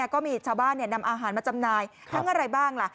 ก็มีชาวบ้านนำอาหารมาจำหน่ายทั้งอะไรบ้างล่ะ